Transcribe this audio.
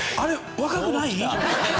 若くない？